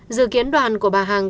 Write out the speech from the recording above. dự kiến đoàn của bà hằng